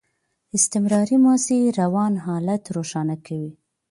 استمراري ماضي روان حالت روښانه کوي.